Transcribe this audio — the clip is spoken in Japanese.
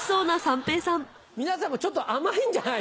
皆さんちょっと甘いんじゃない？